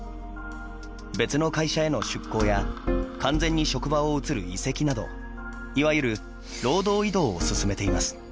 別の会社への出向や完全に職場を移る移籍などいわゆる労働移動を進めています。